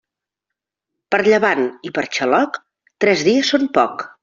Per llevant i per xaloc, tres dies són poc.